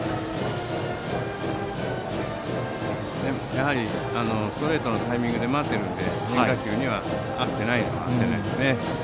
やはりストレートのタイミングで待っているので変化球には合ってないですね。